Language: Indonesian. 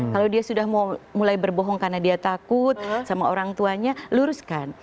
kalau dia sudah mulai berbohong karena dia takut sama orang tuanya luruskan